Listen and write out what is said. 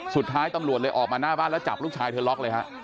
สุดท้ายตำรวจเลยออกมาหน้าบ้านแล้วจับลูกชายเธอล็อกเลยฮะ